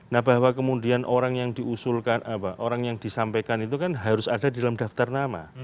nah bahwa kemudian orang yang diusulkan orang yang disampaikan itu kan harus ada di dalam daftar nama